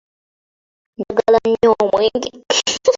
Njagala nnyo omwenge.